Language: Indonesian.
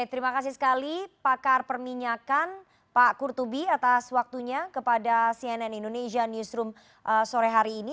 terima kasih sekali pakar perminyakan pak kurtubi atas waktunya kepada cnn indonesia newsroom sore hari ini